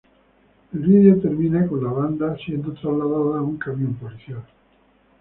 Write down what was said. El video termina con la banda siendo trasladada a un camión policial.